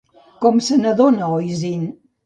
Com se n'adona Oisín?